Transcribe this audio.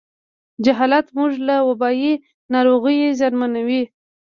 جهالت موږ له وبایي ناروغیو زیانمنوي.